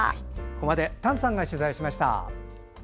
ここまで丹さんが取材しました。